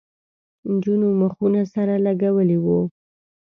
نجونو مخونه سره لگولي وو.